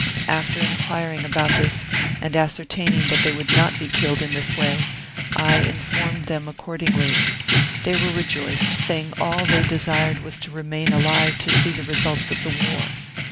After enquiring about this, and ascertaining that they would not be killed in this way, I informed them accordingly; they were re joiced, saying that all they desired was to remain alive to see the results of the war.